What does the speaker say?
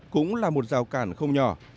cũng là một rào cản không nhỏ